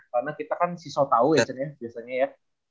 karena kita kan si sotau ya cet ya biasanya ya